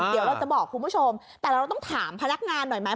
เดี๋ยวเราจะบอกคุณผู้ชมแต่เราต้องถามพนักงานหน่อยไหม